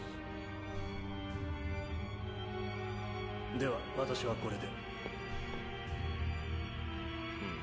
では私はこれで。